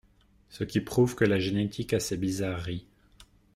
Ce qui prouve que la génétique a ses bizarreries.